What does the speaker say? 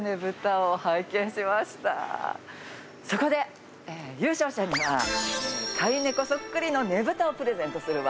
そこで優勝者には飼い猫そっくりのねぶたをプレゼントするわ。